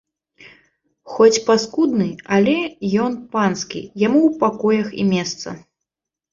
Хоць паскудны, але ён панскі, яму ў пакоях і месца!